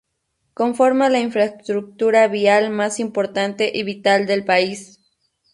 Conforma la infraestructura vial más importante y vital del país.